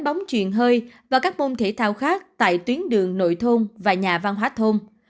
bóng truyền hơi và các môn thể thao khác tại tuyến đường nội thôn và nhà văn hóa thôn